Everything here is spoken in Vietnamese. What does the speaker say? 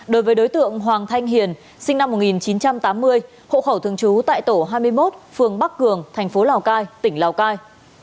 đối với đối tượng hoàng thanh hiền sinh năm một nghìn chín trăm tám mươi hộ khẩu thường trú tại tổ hai mươi một phường bắc cường thành phố lào cai tỉnh lào cai